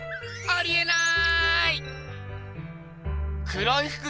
ありえない！